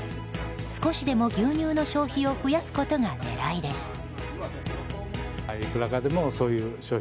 少しでも牛乳の消費を増やすことが狙いです。